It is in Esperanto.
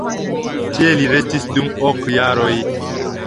Tie li restis dum ok jaroj.